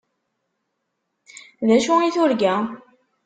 D acu i turga?